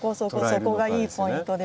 そこがいいポイントです。